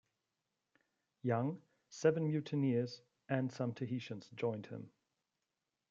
Young, seven mutineers, and some Tahitians joined him.